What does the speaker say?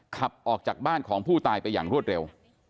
ขับออกจากบ้านของผู้ตายไปอย่างรวดเร็ว